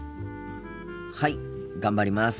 はい頑張ります！